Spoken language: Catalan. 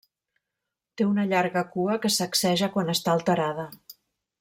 Té una llarga cua que sacseja quan està alterada.